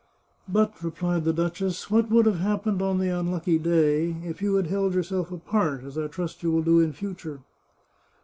" But," replied the duchess, " what would have happened on the unlucky day if you had held yourself apart, as I trust you will do in future